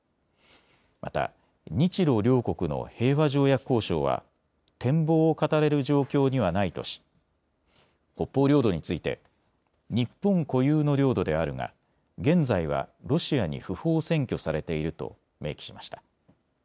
また日ロ両国の平和条約交渉は展望を語れる状況にはないとし北方領土について日本固有の領土であるが現在はロシアに不法占拠されていると明記しました。